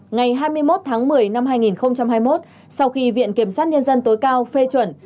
ngày hai mươi một tháng một mươi năm hai nghìn hai mươi một sau khi viện kiểm sát nhân dân tối cao phê chuẩn